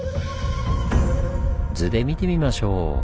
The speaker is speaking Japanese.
図で見てみましょう。